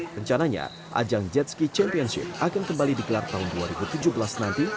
rencananya ajang jetski championship akan kembali digelar tahun dua ribu tujuh belas nanti